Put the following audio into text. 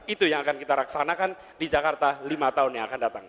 itu yang akan kita laksanakan di jakarta lima tahun yang akan datang